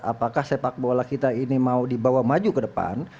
apakah sepak bola kita ini mau dibawa maju ke depan